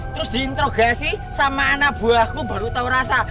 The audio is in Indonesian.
terus diintrogasi sama anak buahku baru tau rasa